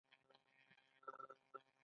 د پښتنو په کلتور کې د اوبو ویش خپل اصول لري.